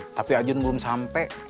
tapi ajun belum sampe